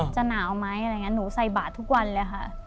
จะหนาวไหมอะไรอย่างนี้หนูใส่บาททุกวันเลยค่ะ